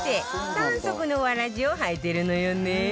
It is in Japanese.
３足のわらじを履いてるのよね